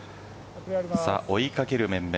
追い掛ける面々。